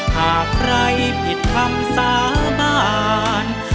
หากใครผิดคำสาบาน